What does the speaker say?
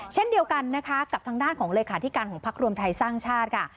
เช่นเดียวกันนะคะกับทางด้านของเลขาธิการของพักรวมไทยสร้างชาติค่ะ